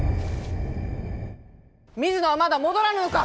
水野はまだ戻らぬのか！